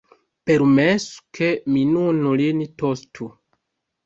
Permesu, ke mi nun lin tostu!